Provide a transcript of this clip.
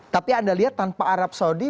tapi anda lihat tanpa arab saudi